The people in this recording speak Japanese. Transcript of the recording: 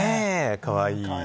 かわいい！